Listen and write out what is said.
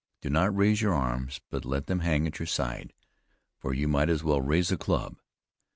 Do not raise your arms, but let them hang at your side; for you might as well raise a club.